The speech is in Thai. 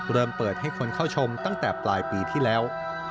เริ่มเปิดให้คนเข้าชมตั้งแต่ปลายปีที่แล้ว